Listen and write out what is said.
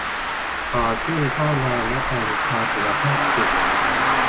ขอขึ้นค่าแรง และสวัสดิการสุขภาพจิต